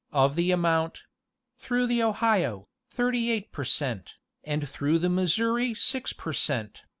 of the amount ; through the Ohio, 38 per cent., and through the Missouri 6 per cent.